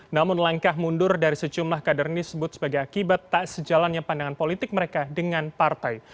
namun langkah mundur dari sejumlah kader ini disebut sebagai akibat tak sejalannya pandangan politik mereka dengan partai